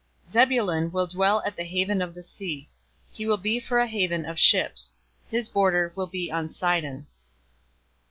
049:013 "Zebulun will dwell at the haven of the sea. He will be for a haven of ships. His border will be on Sidon.